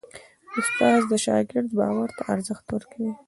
استاد د شاګرد باور ته ارزښت ورکوي.